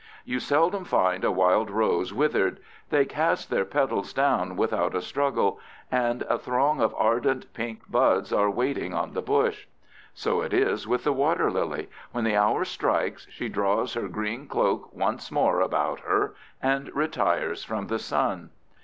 You seldom find a wild rose withered; they cast their petals down without a struggle, and a throng of ardent pink buds are waiting on the bush. So it is with the water lily—when the hour strikes she draws her green cloak once more about her and retires from the sun.